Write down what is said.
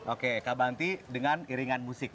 oke kabanti dengan iringan musik